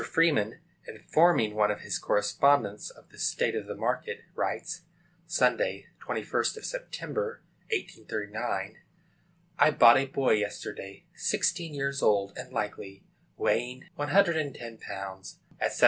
Freeman, informing one of his correspondents of the state of the market, writes (Sunday, 21st Sept., 1839), "I bought a boy yesterday, sixteen years old, and likely, weighing one hundred and ten pounds, at $700.